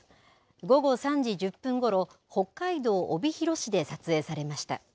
午後３時１０分ごろ、北海道帯広市で撮影されました。